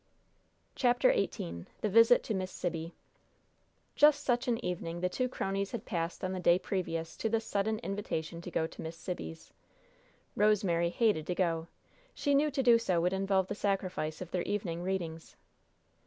CHAPTER XVIII THE VISIT TO MISS SIBBY Just such an evening the two cronies had passed on the day previous to this sudden invitation to go to Miss Sibby's. Rosemary hated to go. She knew to do so would involve the sacrifice of their evening readings.